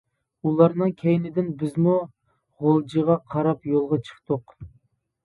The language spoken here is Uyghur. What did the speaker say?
ئۇلارنىڭ كەينىدىن بىزمۇ غۇلجىغا قاراپ يولغا چىقتۇق.